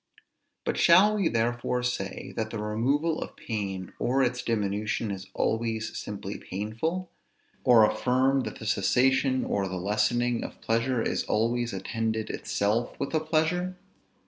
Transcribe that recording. But shall we therefore say, that the removal of pain or its diminution is always simply painful? or affirm that the cessation or the lessening of pleasure is always attended itself with a pleasure?